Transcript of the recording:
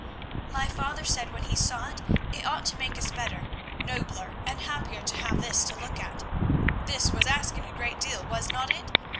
"My father said, when he saw it, it ought to make us better, nobler, and happier to have this to look at. That was asking a great deal, was not it?